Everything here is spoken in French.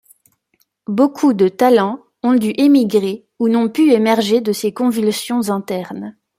Beaucoup de talents ont dû émigrer ou n'ont pu émerger de ces convulsions internes.